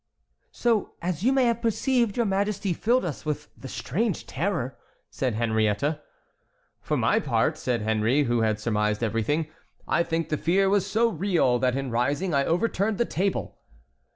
"So, as you may have perceived, your Majesty filled us with strange terror," said Henriette. "For my part," said Henry, who had surmised everything, "I think the fear was so real that in rising I overturned the table."